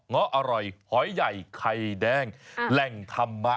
้ออร่อยหอยใหญ่ไข่แดงแหล่งธรรมะ